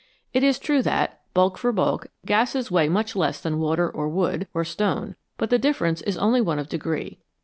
It is true that, bulk for bulk, gases weigh much less than water, or wood, or stone, but the difference is only one of degree.